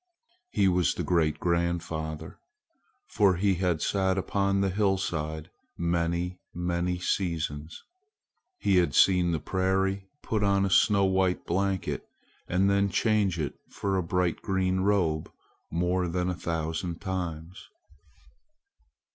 He was the great grandfather, for he had sat upon the hillside many, many seasons. He had seen the prairie put on a snow white blanket and then change it for a bright green robe more than a thousand times.